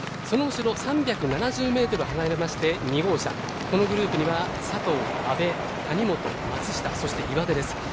その後ろ３７０ｍ離れまして２号車、このグループには佐藤、阿部、谷本松下、そして岩出です。